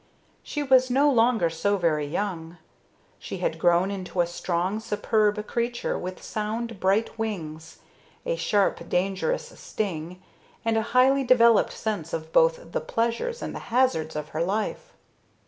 She was no longer so very young; she had grown into a strong, superb creature with sound, bright wings, a sharp, dangerous sting, and a highly developed sense of both the pleasures and the hazards of her life.